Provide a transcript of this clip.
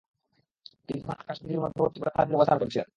তিনি তখন আকাশ ও পৃথিবীর মধ্যবর্তী গোটা স্থান জুড়ে অবস্থান করছিলেন।